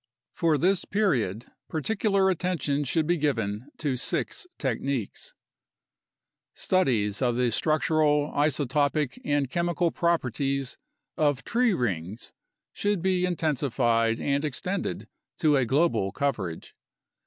For this period particular attention should be given to six techniques: Studies of the structural, isotopic, and chemical properties of tree rings should be intensified and extended to a global coverage.